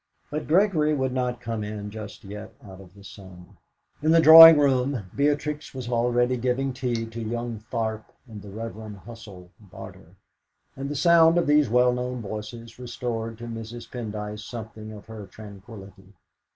But Gregory would not come in just yet out of the sun. In the drawing room Beatrix was already giving tea to young Tharp and the Reverend Husell Barter. And the sound of these well known voices restored to Mrs. Pendyce something of her tranquillity.